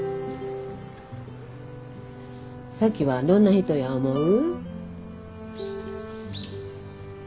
咲妃はどんな人や思う？